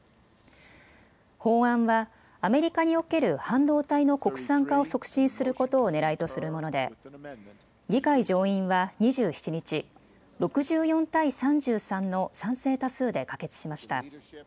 法案はアメリカにおける半導体の国産化を促進することをねらいとするもので議会上院は２７日６４対３３の賛成多数で可決しました。